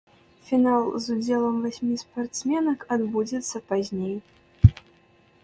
Фінал з удзелам васьмі спартсменак адбудзецца пазней.